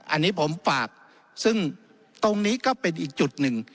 อันนี้ผมฝากซึ่งตรงนี้ก็เป็นอีกจุดหนึ่ง